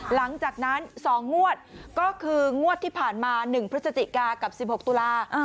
หลังจากนั้น๒งวดก็คืองวดที่ผ่านมา๑พฤศจิกากับ๑๖ตุลา